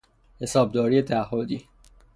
حسابداری تعهدی